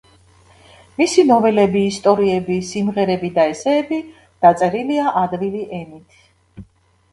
მისი ნოველები, ისტორიები, სიმღერები და ესეები დაწერილია ადვილი ენით.